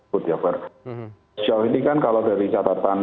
sejauh ini kan kalau dari catatan